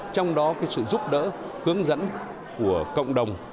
trong đó sự giúp đỡ hướng dẫn của cộng đồng